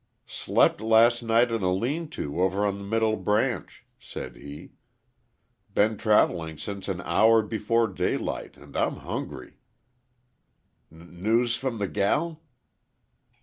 "Slept last night in a lean to over on the Middle Branch," said he. "Been travelling since an hour before daylight and I'm hungry." "N news from the gal?"